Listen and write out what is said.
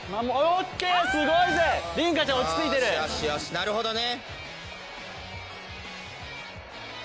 なるほどね。